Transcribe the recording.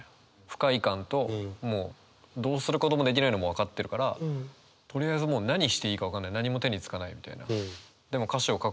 不快感ともうどうすることもできないのも分かってるからとりあえずもう何していいか分かんない何も手につかないみたいな。